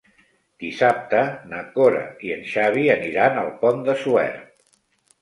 Dissabte na Cora i en Xavi aniran al Pont de Suert.